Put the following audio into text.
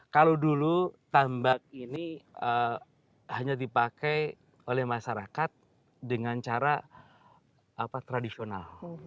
kalau dulu tambak ini hanya dipakai oleh masyarakat dengan cara tradisional